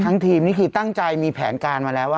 ทีมนี่คือตั้งใจมีแผนการมาแล้ว